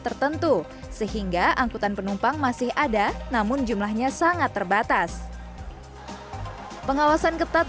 tertentu sehingga angkutan penumpang masih ada namun jumlahnya sangat terbatas pengawasan ketat